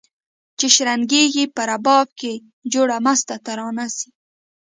چي شرنګیږي په رباب کي جوړه مسته ترانه سي